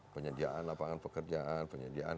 penyediaan lapangan pekerjaan penyediaan